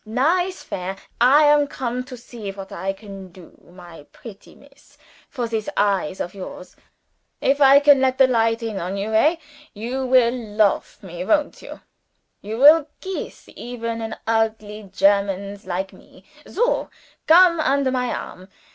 nice fair! I am come to see what I can do, my pretty Miss, for this eyes of yours. If I can let the light in on you hey! you will lofe me, won't you? You will kees even an ugly Germans like me. Soh! Come under my arm.